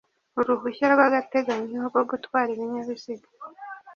Uruhushya rw’agateganyo rwo gutwara ibinyabiziga